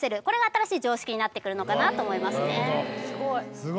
これが新しい常識になってくるのかなと思いますね。